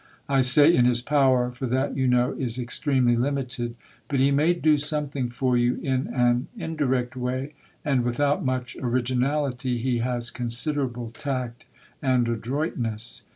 I say "in his power," for that, you know, is extremely limited, but he may do something for you in an indirect way and, without much originality, he has considerable tact and adroitness.